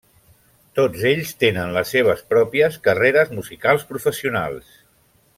Tots ells tenen les seves pròpies carreres musicals professionals.